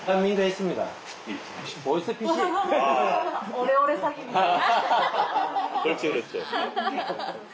オレオレ詐欺みたい。